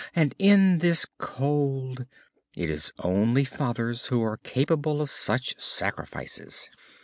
And in this cold! It is only fathers who are capable of such sacrifices!"